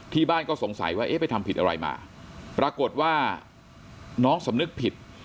บ้านก็สงสัยว่าเอ๊ะไปทำผิดอะไรมาปรากฏว่าน้องสำนึกผิด